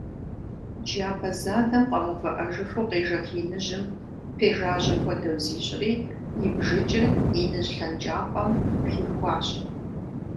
Джабэ задэм къэмыувыӀэжыфу къежэх иныжьым пежажьэ хуэдэу зищӀри, и бжыкӀыр иныжь лъэнкӀапӀэм хихуащ.